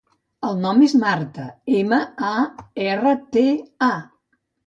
El nom és Marta: ema, a, erra, te, a.